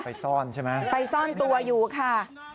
ไปซ่อนใช่ไหมไปซ่อนตัวอยู่ค่ะ